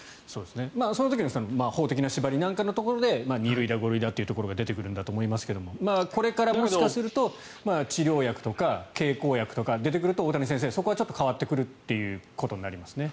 その時の法的な縛りというところで２類だ５類だが出てくるんだと思いますがここからもしかすると経口薬とか出てくると大谷先生変わってくるということになりますね。